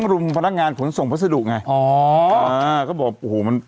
หนุ่มพอแล้วพอแล้ว